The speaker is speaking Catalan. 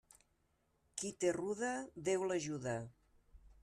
Qui té ruda, Déu l'ajuda.